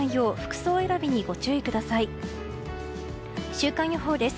週間予報です。